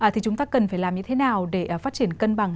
thì chúng ta cần phải làm như thế nào để phát triển cân bằng